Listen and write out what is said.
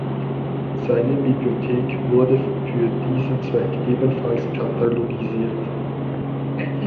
Seine Bibliothek wurde für diesen Zweck ebenfalls katalogisiert.